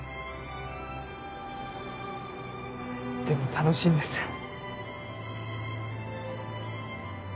でも楽しいんです。